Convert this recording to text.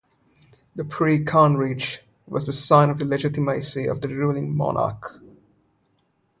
The "Preah Khan Reach" was the sign of legitimacy of the ruling monarch.